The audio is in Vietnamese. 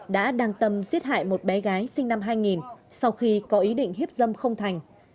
đã đăng tâm giết hại một bé gái sinh năm hai nghìn sau khi có ý định hiếp dâm không thành